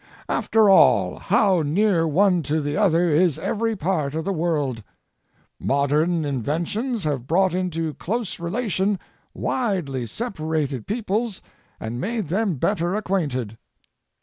After all, how near one to the other is every part of the world. Modern inventions have brought into close relation widely separated peoples and made them better acquainted.